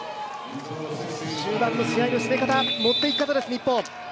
終盤の試合の進め方、持っていき方です、日本。